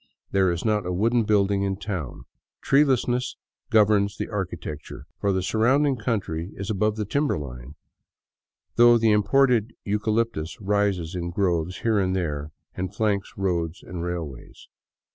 There is not a wooden building in town. Treelessness governs the architecture, for the surrounding country is above the timber line, though the imported eucalyptus rises in groves here and there and flanks roads and rail ways.